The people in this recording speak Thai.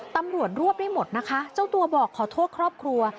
ตำรวจรวบได้หมดนะคะเจ้าตัวบอกขอโทษครอบครัว